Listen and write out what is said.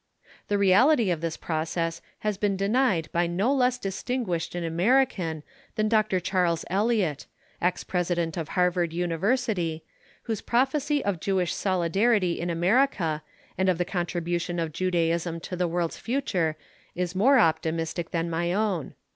The reality of this process has been denied by no less distinguished an American than Dr. Charles Eliot, ex President of Harvard University, whose prophecy of Jewish solidarity in America and of the contribution of Judaism to the world's future is more optimistic than my own.